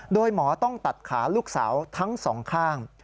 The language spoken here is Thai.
โดยหมอต้องตัดขาลูกสาวทั้งสองข้าง